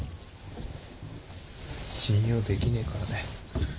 信用できねえからだよ。